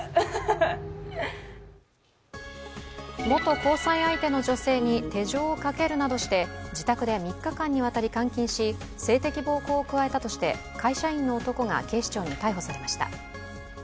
元交際相手の女性に手錠をかけるなどして自宅で３日間に渡り監禁し性的暴行を加えたとして会社員の男が警視庁に逮捕されました。